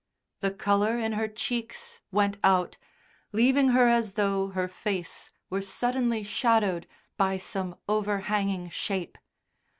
The colour in her cheeks went out, leaving her as though her face were suddenly shadowed by some overhanging shape.